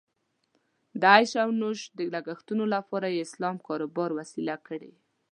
د عیش او نوش د لګښتونو لپاره یې اسلام کاروبار وسیله کړې.